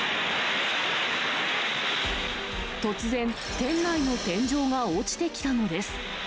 突然、店内の天井が落ちてきたのです。